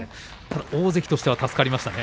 大関としては助かりましたね。